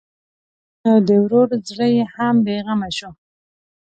نو د ورور زړه یې هم بېغمه شو.